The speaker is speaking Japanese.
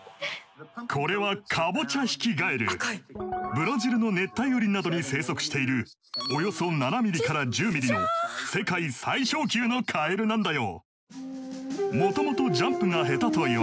ブラジルの熱帯雨林などに生息しているおよそ７ミリから１０ミリの世界最小級のカエルなんだよ。